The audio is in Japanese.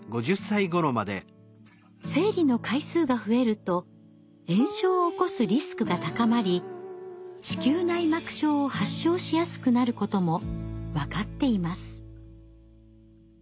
生理の回数が増えると炎症を起こすリスクが高まり子宮内膜症を発症しやすくなることも分かっています。